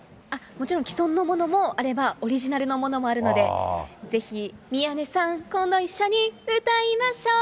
もちろん既存のものもあれば、オリジナルのものもあるので、ぜひ、宮根さん、今度一緒に歌いましょう。